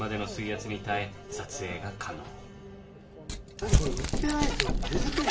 だってこれ売ってないですよね？